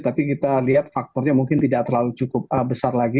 tapi kita lihat faktornya mungkin tidak terlalu cukup besar lagi